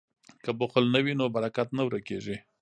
که بخل نه وي نو برکت نه ورکیږي.